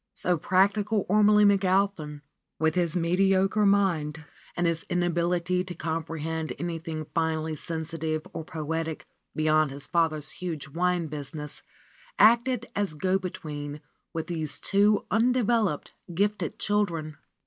So practi cal Ormelie McAlpin, with his mediocre mind and his inability to comprehend anything finely sensitive or poetic beyond his father's huge wine business, acted as go between with these two undeveloped, gifted children.